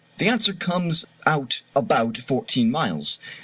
The answer comes out about fourteen miles.